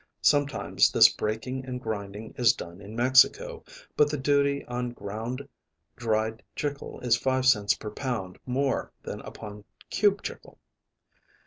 Sometimes this breaking and grinding is done in Mexico, but the duty on ground dried chicle is five cents per pound more than upon cube chicle.